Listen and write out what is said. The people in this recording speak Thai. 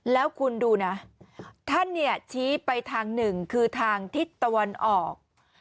แล้วคุณดูนะท่านเนี่ยชี้ไปทางหนึ่งคือทางทิศตะวันออก